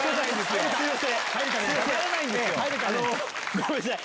ごめんなさい。